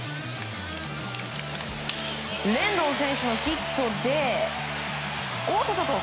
レンドン選手のヒットでおっとっと。